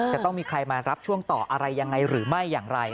จะต้องมีใครมารับช่วงต่ออะไรยังไงหรือไม่อย่างไร